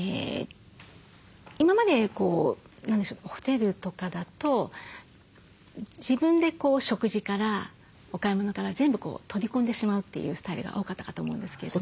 今まで何でしょうホテルとかだと自分で食事からお買い物から全部取り込んでしまうというスタイルが多かったかと思うんですけれども。